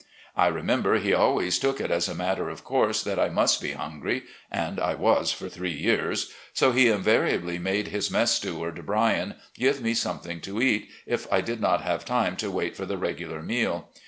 I remember, he always took it as a matter of course that I must be himgry (and I was for three years), so he invariably made his mess steward, Bryan, give me something to eat, if I did not have time to wait for the regular meal.